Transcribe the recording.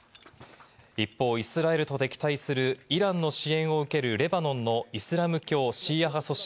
一方、イスラエルと敵対するイランの支援を受けるレバノンのイスラム教シーア派組織